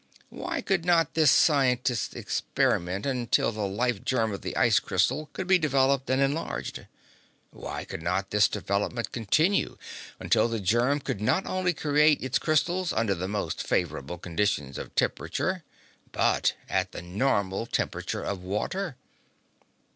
Why could not this scientist experiment until the life germ of the ice crystal could be developed and enlarged? Why could not this development continue until the germ could not only create its crystals under the most favorable conditions of temperature, but at the normal temperature of water?